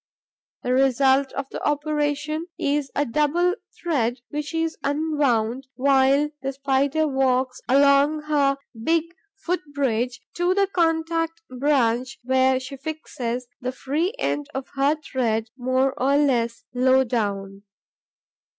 The result of the operation is a double thread which is unwound while the Spider walks along her big foot bridge to the contact branch, where she fixes the free end of her thread more or less low down.